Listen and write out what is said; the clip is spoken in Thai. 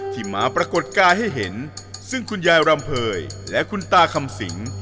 ที่มาปรากฏกายให้เห็นซึ่งคุณยายรำเภยและคุณตาคำสิง